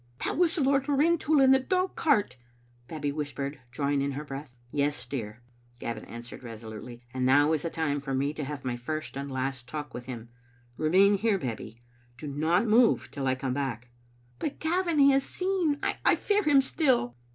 "That was Lord Rintoul in the dogcart," Babbie whispered, drawing in her breath. " Yes, dear," Gavin answered resolutely, " and now is the time for me to have my first and last talk with him. Eemain here. Babbie. Do not move till I come back." " But, Gavin, he has seen. I fear him still."